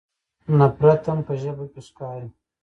نفرت هم په ژبه کې ښکاري.